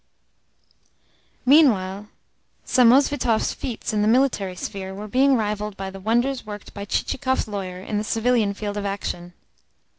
Meanwhile, Samosvitov's feats in the military sphere were being rivalled by the wonders worked by Chichikov's lawyer in the civilian field of action.